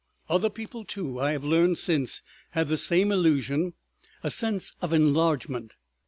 Other people, too, I have learnt since, had the same illusion, a sense of enlargement.